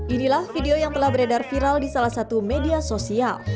inilah video yang telah beredar viral di salah satu media sosial